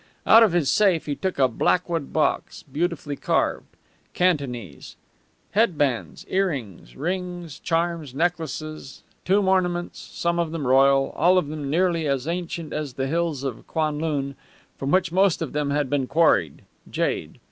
Out of his safe he took a blackwood box, beautifully carved, Cantonese. Headbands, earrings, rings, charms, necklaces, tomb ornaments, some of them royal, all of them nearly as ancient as the hills of Kwanlun, from which most of them had been quarried jade.